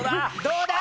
どうだ？